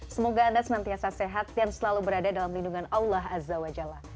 semoga anda senantiasa sehat dan selalu berada dalam lindungan allah azza wa jalla